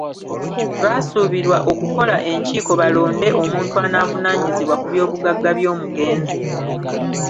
Basuubirwa okukola enkiiko balonde omuntu anaavunaanyizibwa ku by’obugagga by’omugenzi.